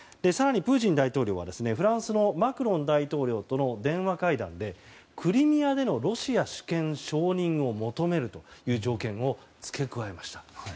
更にプーチン大統領はフランスのマクロン大統領との電話会談でクリミアでのロシア主権承認を求めるという条件を付け加えました。